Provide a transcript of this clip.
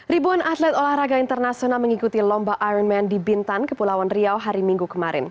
ribuan atlet olahraga internasional mengikuti lomba iron man di bintan kepulauan riau hari minggu kemarin